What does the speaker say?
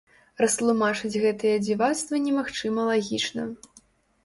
Растлумачыць гэтыя дзівацтвы немагчыма лагічна.